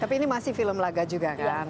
tapi ini masih film laga juga kan